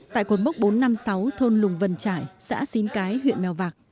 tại cột mốc bốn trăm năm mươi sáu thôn lùng vân trải xã xín cái huyện mèo vạc